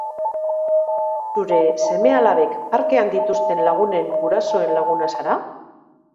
Zure seme alabek, parken dituzten lagunen gurasoen laguna zara?